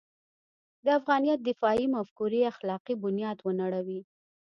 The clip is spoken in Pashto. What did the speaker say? د افغانیت دفاعي مفکورې اخلاقي بنیاد ونړوي.